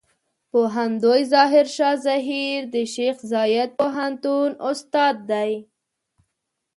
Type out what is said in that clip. پوهندوی ظاهر شاه زهير د شیخ زايد پوهنتون استاد دی.